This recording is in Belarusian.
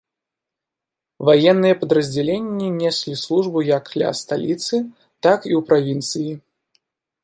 Ваенныя падраздзяленні неслі службу як ля сталіцы, так і ў правінцыі.